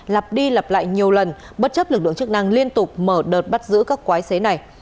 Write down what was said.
lặp đi lặp lại nhiều lần bất chấp lực lượng chức năng liên tục mở đợt bắt giữ các quái xế này